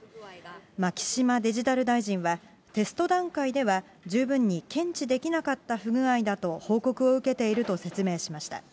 牧島デジタル大臣は、テスト段階では十分に検知できなかった不具合だと報告を受けていると説明しました。